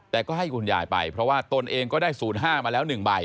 แต่ก็ให้คุณยายไปเพราะว่าตนเองก็ได้๐๕มาแล้ว๑ใบ